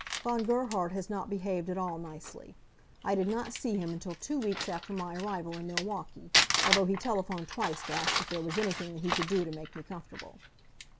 Von Gerhard has not behaved at all nicely. I did not see him until two weeks after my arrival in Milwaukee, although he telephoned twice to ask if there was anything that he could do to make me comfortable.